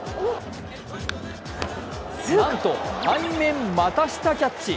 なんと、背面股下キャッチ。